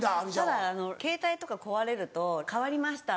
ただケータイとか壊れると変わりましたって